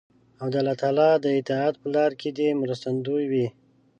او د الله تعالی د اطاعت په لار کې دې مرستندوی وي.